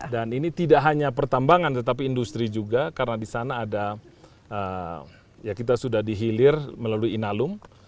dan ini tidak hanya pertambangan tetapi industri juga karena disana ada ya kita sudah dihilir melalui inalum